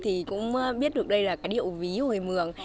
thì cũng biết được đây là cái điệu ví của người mường